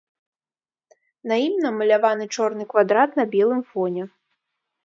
На ім намаляваны чорны квадрат на белым фоне.